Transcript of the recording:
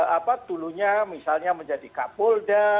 apa dulunya misalnya menjadi kapolda